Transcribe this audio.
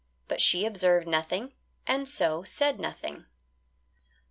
But she observed nothing, and so said nothing.